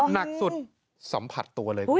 หนักสุดสัมผัสตัวเลยคุณ